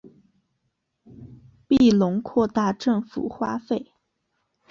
庇隆扩大政府花费。